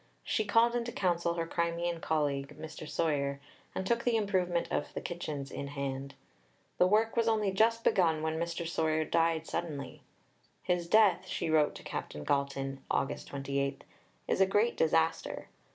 She called into counsel her Crimean colleague, Mr. Soyer, and took the improvement of the kitchens in hand. The work was only just begun when Mr. Soyer died suddenly. "His death," she wrote to Captain Galton (Aug. 28), "is a great disaster.